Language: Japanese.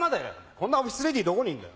こんなオフィスレディーどこにいんだよ。